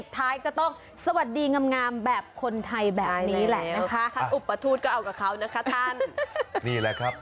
ท้ายก็ต้องสวัสดีง่ำแบบคนไทยแบบนี้แหละนะครับ